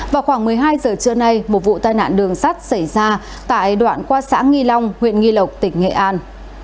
vào khoảng một mươi hai giờ trưa nay một vụ tai nạn đường sắt xảy ra tại đoạn qua xã nghi long huyện nghi lộc tỉnh nghệ an